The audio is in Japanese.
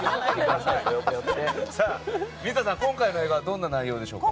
水田さん、今回の映画はどんな内容でしょうか？